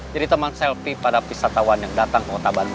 jadi teman selfie pada pesawat yang datang ke kota bandung